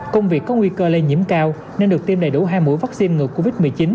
công việc có nguy cơ lây nhiễm cao nên được tiêm đầy đủ hai mũi vaccine ngừa covid một mươi chín